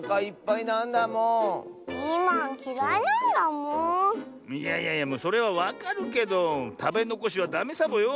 いやいやいやそれはわかるけどたべのこしはダメサボよ。